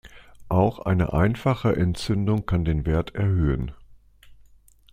Auch eine einfache Entzündung kann den Wert erhöhen.